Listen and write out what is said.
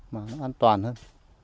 mà nó an toàn hơn